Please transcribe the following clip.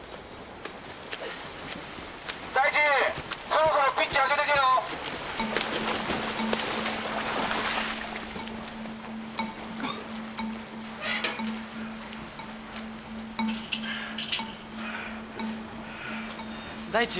「大地そろそろピッチ上げてけよ」・大地。